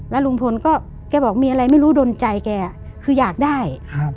แล้วลุงพลก็แกบอกมีอะไรไม่รู้ดนใจแกคืออยากได้